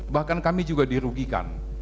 bahkan kami juga dirugikan